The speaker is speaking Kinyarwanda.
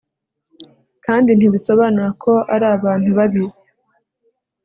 kandi ntibisobanura ko ari abantu babi